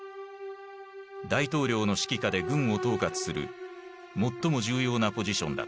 大統領の指揮下で軍を統括する最も重要なポジションだった。